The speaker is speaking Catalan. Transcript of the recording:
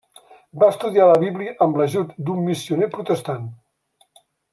Va estudiar la Bíblia amb l'ajut d'un missioner protestant.